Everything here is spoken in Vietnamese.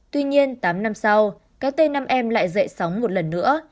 tuy nhiên tám năm sau cái tên nam em lại dậy sóng một lần nữa